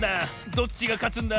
どっちがかつんだ？